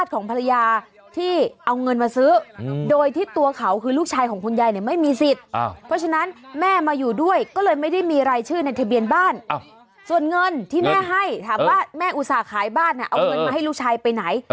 ส่วนเงินที่แม่ให้ถามว่าแม่อุตส่าห์ขายบ้านเอาเงินมาให้ลูกชายไปไหน